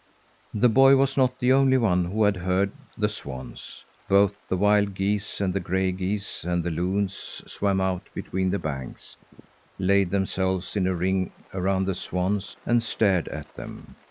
The boy was not the only one who had heard the swans. Both the wild geese and the gray geese and the loons swam out between the banks, laid themselves in a ring around the swans and stared at them.